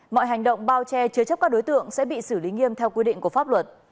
mọi hành động bao che chứa chấp các đối tượng sẽ bị xử lý nghiêm theo quy định của pháp luật